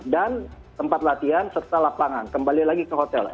dan tempat latihan serta lapangan kembali lagi ke hotel